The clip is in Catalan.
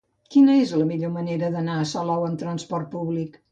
Quina és la millor manera d'anar a Salou amb trasport públic?